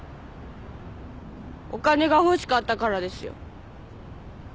お金が欲しかったからですよ。